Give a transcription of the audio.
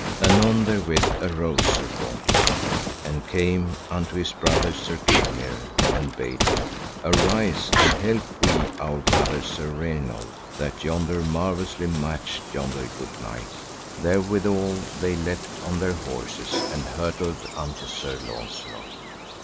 Anon therewith arose Sir Gaunter, and came unto his brother Sir Gilmere, and bade him, Arise, and help we our brother Sir Raynold, that yonder marvellously matched yonder good knight. Therewithal, they leapt on their horses and hurtled unto Sir Launcelot.